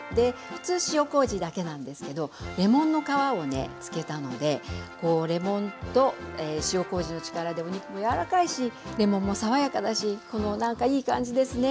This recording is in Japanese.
普通塩こうじだけなんですけどレモンの皮を漬けたのでレモンと塩こうじの力でお肉も柔らかいしレモンも爽やかだし何かいい感じですね